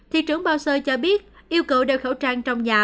thị trưởng bouser cho biết yêu cầu đeo khẩu trang trong nhà